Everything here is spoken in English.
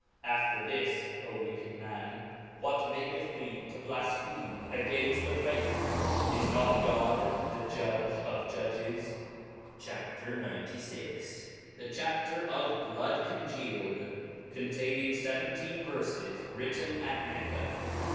After this, fo wicked man J whatmaketh thee to blafpheme againft the Faith ? is not God the ludge of ludges? . ICHAP. XtVI. The Chapter of Bkod congealed, containing feventeen Verfes^writ* ten at Mecca.